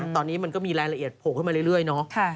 ตอนนี้มันก็มีรายละเอียดโผล่ขึ้นมาเรื่อยเนาะ